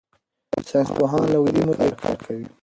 ساینسپوهان له اوږدې مودې کار کوي.